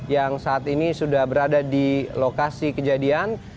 yang saat ini sudah berada di lokasi kejadian